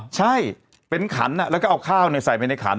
ใช่เป็นขันแล้วก็เอาข้าวใส่ไปในขัน